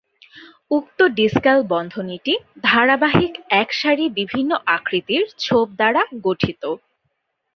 উক্ত ডিসকাল বন্ধনীটি ধারাবাহিক একসারি বিভিন্ন আকৃতির ছোপ দ্বারা গঠিত।